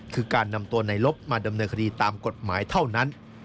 คือการนำตัวในลบมาดำเนินคดีตามกฎหมายเท่านั้น